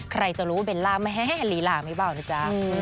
ใครจะรู้ว่าเบลล่าแม่ลีลาไม่เบานะจ๊ะ